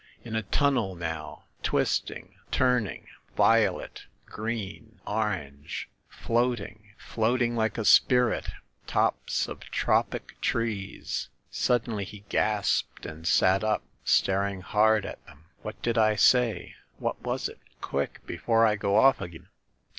... In a tunnel now, twist ing, turning, violet, green, orange ... floating ... floating like a spirit ... tops of tropic trees ..." Suddenly he gasped and sat up, staring hard at them. "What did I say? What was it? Quick! be fore I go off again!